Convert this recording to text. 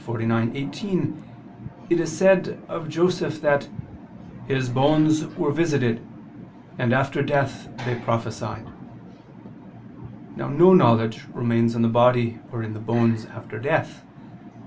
49:18) it is said of Joseph that "his bones were visited, and after death they prophesied." Now no knowledge remains in the body or in the bones after death.